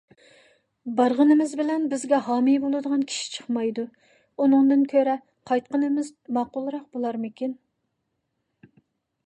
بارغىنىمىز بىلەن بىزگە ھامىي بولىدىغان كىشى چىقمايدۇ، ئۇنىڭدىن كۆرە قايتقىنىمىز ماقۇلراق بولارمىكىن؟